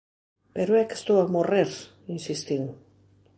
Pero é que estou a morrer! –insistín.